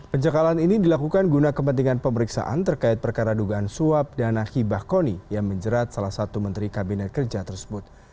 pencekalan ini dilakukan guna kepentingan pemeriksaan terkait perkara dugaan suap dan akibah koni yang menjerat salah satu menteri kabinet kerja tersebut